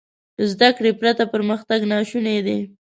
زده کړې پرته پرمختګ ناشونی دی.